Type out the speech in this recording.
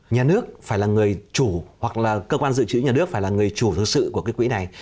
nhà nước phải là người chủ hoặc là cơ quan dự trữ nhà nước phải là người chủ thực sự của cái quỹ này